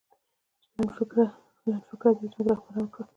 چې لنډفکره دې زموږه رهبران کړل